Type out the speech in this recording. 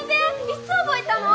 いつ覚えたの？